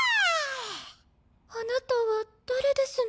あなたは誰ですの？